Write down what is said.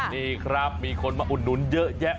นี่ครับมีคนมาอุดหนุนเยอะแยะ